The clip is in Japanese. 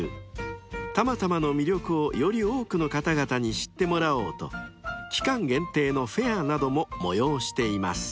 ［たまたまの魅力をより多くの方々に知ってもらおうと期間限定のフェアなども催しています］